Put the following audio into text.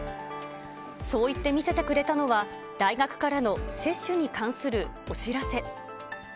そういって見せてくれたのは、大学からの接種に関するお知らせ。